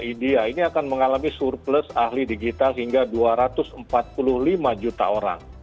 india ini akan mengalami surplus ahli digital hingga dua ratus empat puluh lima juta orang